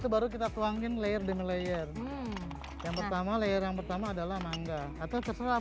baru kita tuangin layer dengan layer yang pertama layer yang pertama adalah mangga atau terserap